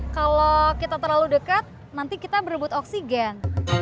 kalau kita terlalu dekat nanti kita berebut oksigen